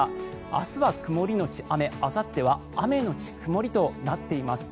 明日は曇りのち雨あさっては雨のち曇りとなっています。